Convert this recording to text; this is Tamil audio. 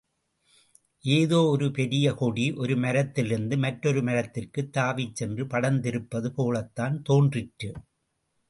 ஏதோ ஒரு பெரிய கொடி ஒரு மரத்திலிருந்து மற்றொரு மரத்திற்குத் தாவிச் சென்று படர்ந்திருப்பது போலத்தான் தோன்றிற்று.